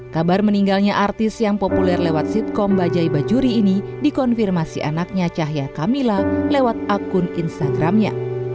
kabar meninggalnya artis yang populer lewat sitkom bajai bajuri ini dikonfirmasi anaknya cahya kamila lewat akun instagramnya